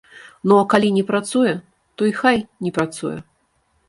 Ну а калі не працуе, то і хай не працуе.